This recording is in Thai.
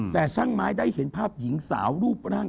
แต่ช่างไม้ได้เห็นภาพหญิงสาวรูปร่าง